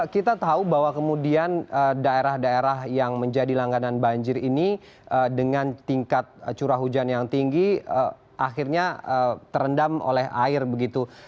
kita tahu bahwa kemudian daerah daerah yang menjadi langganan banjir ini dengan tingkat curah hujan yang tinggi akhirnya terendam oleh air begitu